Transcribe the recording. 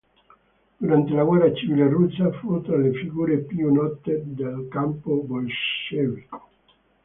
Durante la Guerra civile russa fu tra le figure più note nel campo bolscevico.